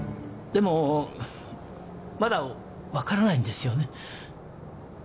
でもまだわからないんですよね？